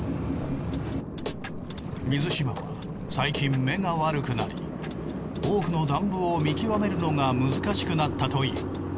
水嶋は最近目が悪くなり多くのダンブを見極めるのが難しくなったという。